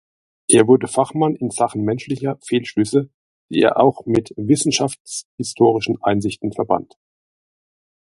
Er wurde Fachmann in Sachen menschlicher Fehlschlüsse, die er auch mit wissenschaftshistorischen Einsichten verband.